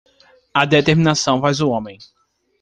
A determinação faz o homen.